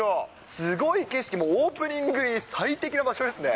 すごい景色、もうオープニングに最適な場所ですね。